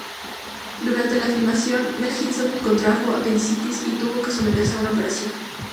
Durante la filmación, Mel Gibson contrajo apendicitis y tuvo que someterse a una operación.